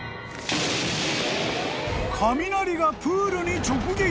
［雷がプールに直撃］